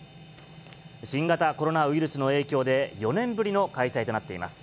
新型コロナウイルスの影響で４年ぶりの開催となっています。